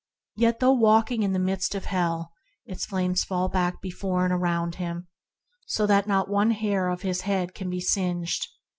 Yet, though walking in the midst of hell, its flames fall back before and around him, so that not one hair of his head can be singed.